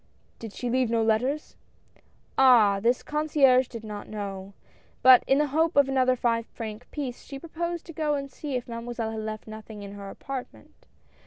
" Did she leave no letters ?" Ah ! this the concierge did not know, but in the hope of another flve franc piece, she proposed to go and see if Mademoiselle had left nothing in her "apartment."